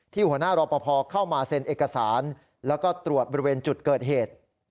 หัวหน้ารอปภเข้ามาเซ็นเอกสารแล้วก็ตรวจบริเวณจุดเกิดเหตุ